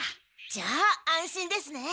じゃあ安心ですね。